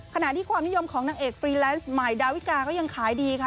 ขณะที่ความนิยมของนางเอกฟรีแลนซ์ใหม่ดาวิกาก็ยังขายดีค่ะ